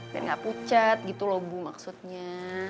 biar gak pucat gitu loh bu maksudnya